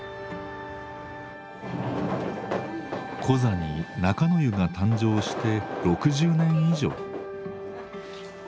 コザに中乃湯が誕生して６０年以上。